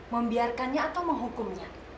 membiarkannya atau menghukumnya